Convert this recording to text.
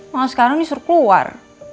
malah sekarang disuruh keluar